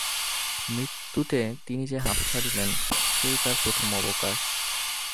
মৃত্যুতে তিনি যে হাঁফ ছাড়িলেন, সেই তাঁর প্রথম অবকাশ।